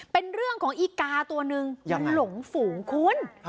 เป็นเรื่องของอีกาตัวนึงมันหลงฝูงคุณ